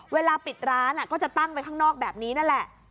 เวลาปิดร้านก็จะตั้งไปข้างนอกแบบนี้นั่นแหละ